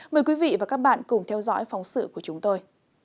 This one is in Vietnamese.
mời quý vị và các bạn cùng theo dõi phóng sự của chúng tôi